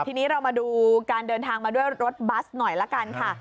ทีนี้เรามาดูการเดินทางมาด้วยรถบัสหน่อยละกันค่ะ